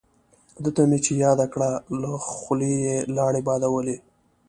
دته مې چې یاده کړه له خولې یې لاړې بادولې.